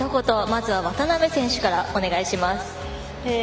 まずは渡辺選手からお願いします。